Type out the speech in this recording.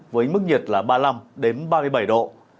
với mức nhiệt là ba mươi năm ba mươi bảy độ